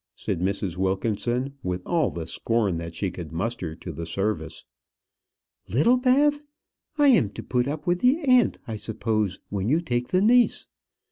said Mrs. Wilkinson, with all the scorn that she could muster to the service. "Littlebath! I am to put up with the aunt, I suppose, when you take the niece.